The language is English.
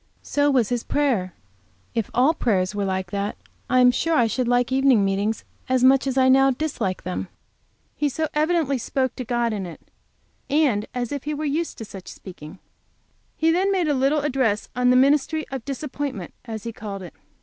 So was his prayer. If all prayers were like that, I am sure I should like evening meetings as much as I now dislike them. He so evidently spoke to God in it, and as if he were used to such speaking. He then made a little address on the ministry of disappointments, as he called it.